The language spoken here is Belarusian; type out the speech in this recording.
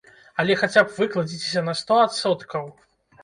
Але хаця б выкладзіцеся на сто адсоткаў!